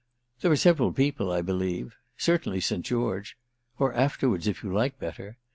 "There are several people, I believe. Certainly St. George. Or afterwards if you like better.